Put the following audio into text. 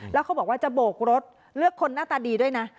แล้วเขาบอกว่าจะโบกรถเลือกคนหน้าตาดีด้วยนะ